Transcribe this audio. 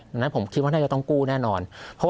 ดังนั้นผมคิดว่าน่าจะต้องกู้แน่นอน